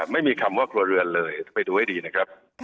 ไม่มีคำว่าครัวเรือนเลยไปดูให้ดีนะครับ